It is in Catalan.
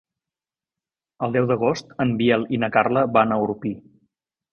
El deu d'agost en Biel i na Carla van a Orpí.